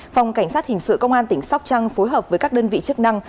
phòng cảnh sát hình sự công an tỉnh sóc trăng phối hợp với các đơn vị chức năng